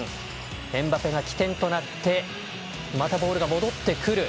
エムバペが起点となってまたボールが戻ってくる。